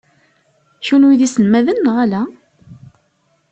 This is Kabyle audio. Kenwi d iselmaden neɣ ala?